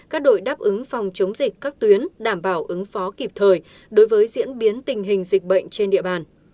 các đội đáp ứng phòng chống dịch các tuyến đảm bảo ứng phó kịp thời đối với diễn biến tình hình dịch bệnh trên địa bàn